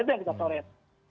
itu yang kita coret